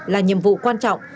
là nhiệm vụ quan trọng